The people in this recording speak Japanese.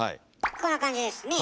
こんな感じですね。